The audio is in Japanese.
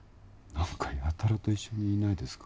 なんかやたらと一緒にいないですか？